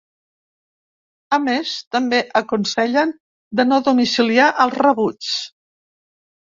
A més, també aconsellen de no domiciliar els rebuts.